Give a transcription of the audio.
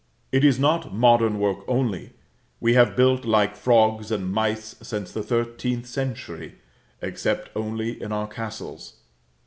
It is not modern work only; we have built like frogs and mice since the thirteenth century (except only in our castles).